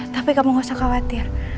tapi kamu gak usah khawatir